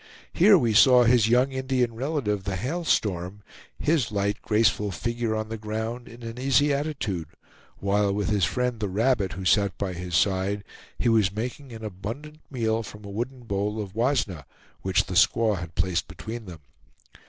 Here we saw his young Indian relative, the Hail Storm, his light graceful figure on the ground in an easy attitude, while with his friend the Rabbit, who sat by his side, he was making an abundant meal from a wooden bowl of wasna, which the squaw had placed between them.